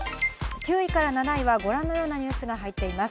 ９位から７位はご覧のニュースが入っています。